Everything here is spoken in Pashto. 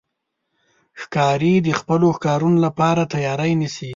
ښکاري د خپلو ښکارونو لپاره تیاری نیسي.